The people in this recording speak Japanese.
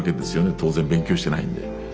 当然勉強してないんで。